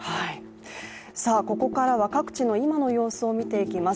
ここからは各地の今の様子を見ていきます。